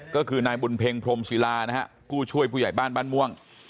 ก็คือนายบุญเพ็งพรมศิลานะฮะผู้ช่วยผู้ใหญ่บ้านบ้านม่วง